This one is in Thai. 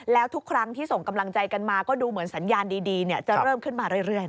แล้วทุกครั้งที่ส่งกำลังใจกันมาก็ดูเหมือนสัญญาณดีจะเริ่มขึ้นมาเรื่อย